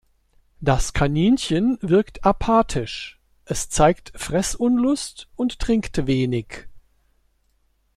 Das Kaninchen wirkt apathisch, es zeigt Fressunlust und trinkt wenig.